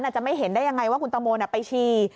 อาจจะไม่เห็นได้ยังไงว่าคุณตะโมน่ะไปชี่